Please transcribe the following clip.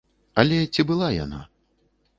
Але ці была яна?